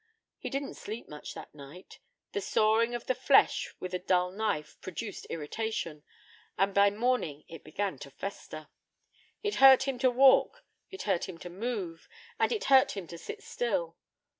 He didn't sleep much that night. The sawing of the flesh with a dull knife produced irritation, and by morning it began to fester. It hurt him to walk, it hurt him to move, and it hurt him to sit still.